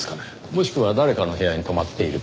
もしくは誰かの部屋に泊まっているか。